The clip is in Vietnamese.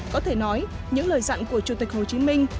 có thể nói những lời dặn của chủ tịch hồ chí minh